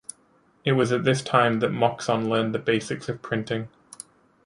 It was at this time that Moxon learned the basics of printing.